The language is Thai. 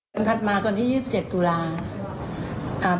จนถัดมาก่อนที่๒๗ตุลาที่